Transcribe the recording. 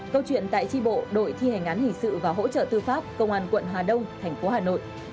câu chuyện tại tri bộ đội thi hành án hình sự và hỗ trợ tư pháp công an quận hà đông thành phố hà nội